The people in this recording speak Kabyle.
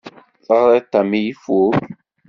Teɣriḍ-t armi ifukk?